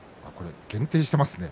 限定してますね。